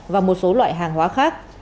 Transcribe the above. và một số loại hàng hóa khác